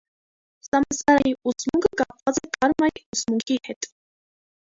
Սամսարայի ուսմունքը կապված է կարմայի ուսմունքի հետ։